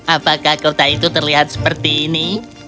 apakah kota itu terlihat seperti ini